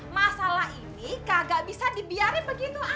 masalah ini kagak bisa dibiarin begitu